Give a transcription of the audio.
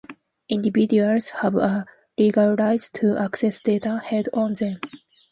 Individuals have a legal right to access data held on them.